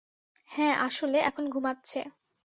হ্যাঁ, আসলে, এখন ঘুমাচ্ছে।